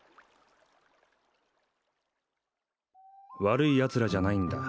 悪いやつらじゃないんだ。